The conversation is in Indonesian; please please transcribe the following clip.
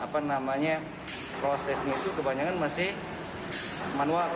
prosesnya itu kebanyakan masih manual